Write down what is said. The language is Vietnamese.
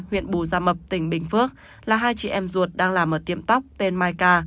huyện bù gia mập tỉnh bình phước là hai chị em ruột đang làm ở tiệm tóc tên maika